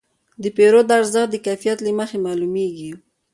د پیرود ارزښت د کیفیت له مخې معلومېږي.